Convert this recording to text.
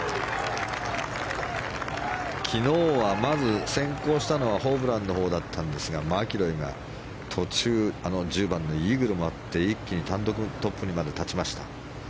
昨日はまず先行したのはホブランのほうだったんですがマキロイが途中、１０番のイーグルもあって一気に単独トップにまで立ちました。